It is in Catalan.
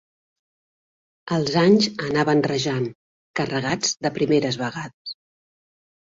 Els anys anaven rajant, carregats de primeres vegades.